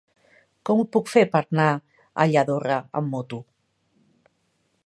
Com ho puc fer per anar a Lladorre amb moto?